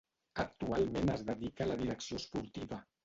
Actualment es dedica a la direcció esportiva.